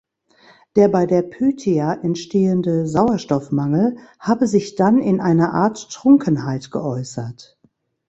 Der bei der Pythia entstehende Sauerstoffmangel habe sich dann in einer Art Trunkenheit geäußert.